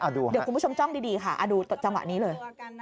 เดี๋ยวคุณผู้ชมจ้องดีค่ะดูจังหวะนี้เลย